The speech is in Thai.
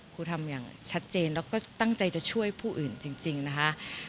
ครูทำอย่างชัดเจนแล้วก็ตั้งใจจะช่วยผู้อื่นจริงนะคะ